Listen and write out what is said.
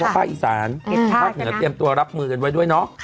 ภาคอีสานภาคเหนือเตรียมตัวรับมือกันไว้ด้วยเนาะ